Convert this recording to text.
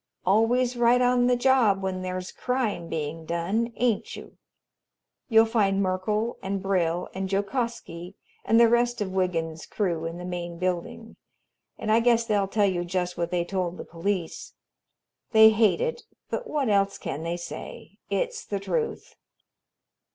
Always right on the job when there's crime being done, ain't you? You'll find Merkel and Brill and Jokosky and the rest of Wiggins's crew in the main building, and I guess they'll tell you just what they told the police. They hate it, but what else can they say? It's the truth."